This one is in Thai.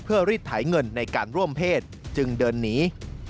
เพื่อรีดไถเงินในการร่วมเพศจึงเดินหนี